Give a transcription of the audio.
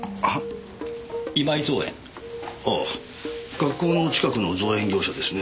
学校の近くの造園業者ですね。